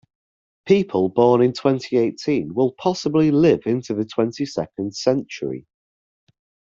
People born in twenty-eighteen will possibly live into the twenty-second century.